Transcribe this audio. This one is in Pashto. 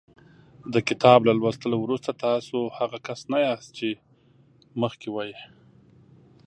د کتاب له لوستلو وروسته تاسو هغه کس نه یاست چې مخکې وئ.